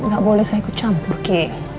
gak boleh saya ikut campur ke